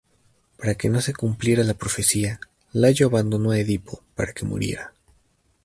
Para que no se cumpliera la profecía, Layo abandonó a Edipo para que muriera.